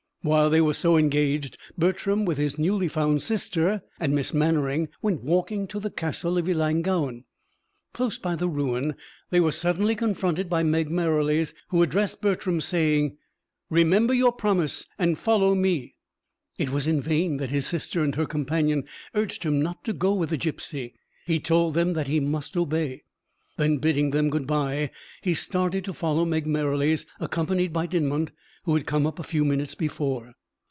While they were so engaged, Bertram, with his newly found sister and Miss Mannering, went walking to the castle of Ellangowan. Close by the ruin they were suddenly confronted by Meg Merrilies, who addressed Bertram, saying: "Remember your promise, and follow me." It was in vain that his sister and her companion urged him not to go with the gipsy. He told them he must obey. Then, bidding them good bye, he started to follow Meg Merrilies, accompanied by Dinmont, who had come up a few minutes before.